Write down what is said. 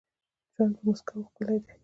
ژوند په مسکاوو ښکلی دي.